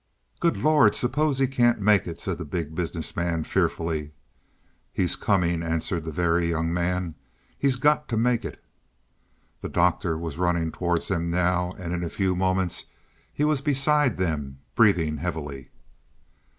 "Good Lord, suppose he can't make it!" said the Big Business Man fearfully. "He's coming," answered the Very Young Man. "He's got to make it." The Doctor was running towards them now, and in a few moments he was beside them, breathing heavily.